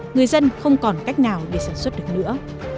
người dân không còn cách nào để sản xuất được nữa